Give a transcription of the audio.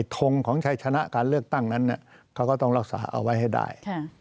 ทงของชัยชนะการเลือกตั้งนั้นเขาก็ต้องรักษาเอาไว้ให้ได้